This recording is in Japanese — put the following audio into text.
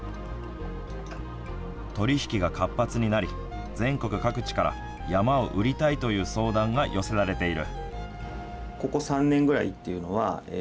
取り引きが活発になり全国各地から山を売りたいという相談が寄せられている。